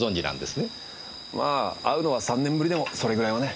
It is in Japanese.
まあ会うのは３年ぶりでもそれぐらいはね。